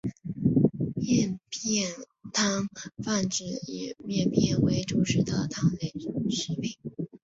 面片汤泛指以面片为主食的汤类食品。